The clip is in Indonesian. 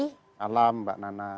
selamat malam mbak nana